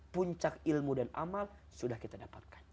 puncak ilmu dan amal sudah kita dapatkan